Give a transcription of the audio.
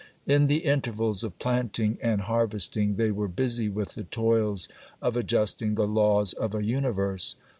In the intervals of planting and harvesting they were busy with the toils of adjusting the laws of a universe.